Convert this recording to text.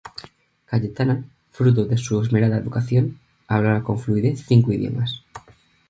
Cayetana, fruto de su esmerada educación, hablaba con fluidez cinco idiomas.